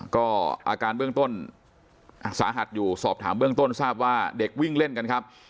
ก็อาการเบื้องต้นสาหัสอยู่สอบถามเบื้องต้นทราบว่าเด็กวิ่งเล่นกันครับ